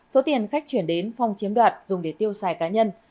số tiền khách chuyển đến phong chiếm đoạt dùng để tiêu xài cá nhân